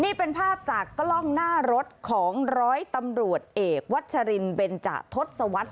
นี่เป็นภาพจากกล้องหน้ารถของร้อยตำรวจเอกวัชรินเบนจะทศวรรษ